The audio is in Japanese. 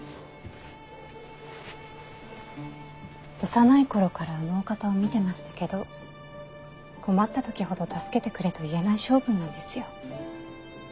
幼い頃からあのお方を見てましたけど困った時ほど助けてくれと言えない性分なんですよ。